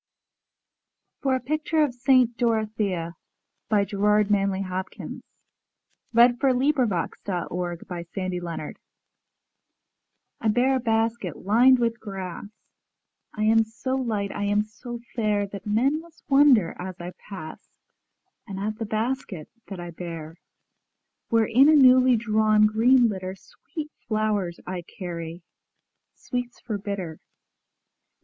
ŌĆö For a Picture of St. DorotheaGerard Manley Hopkins EARLY POEMS For a Picture of St. Dorothea I bear a basket lined with grass; I am so light, I am so fair, That men must wonder as I pass And at the basket that I bear, Where in a newly drawn green litter Sweet flowers I carry, ŌĆösweets for bitter.